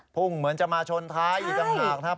พุ่งเหมือนจะมาชนท้ายอยู่ต่างหาก